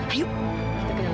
ayo kita ke dalam